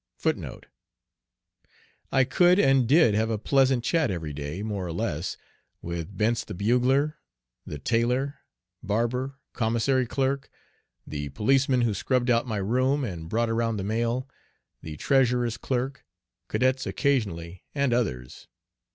*I could and did have a pleasant chat every day, more or less, with "Bentz the bugler," the tailor, barber, commissary clerk, the policeman who scrubbed out my room and brought around the mail, the treasurer's clerk, cadets occasionally, and others.